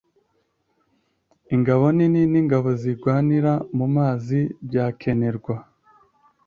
Ingabo nini n’ingabo zirwanira mu mazi byakenerwa.